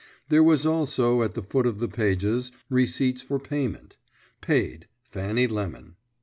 There was also, at the foot of pages, receipts for payment, "Paid, Fanny Lemon."